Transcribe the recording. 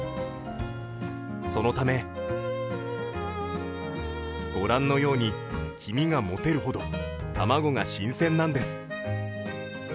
そのため、ご覧のように黄身が持てるほど卵が新鮮なんです。